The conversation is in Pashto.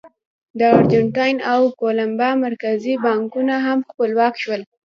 د ارجنټاین او کولمبیا مرکزي بانکونه هم خپلواک شول.